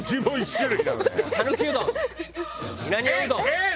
えっ！